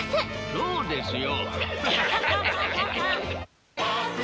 そうですよ。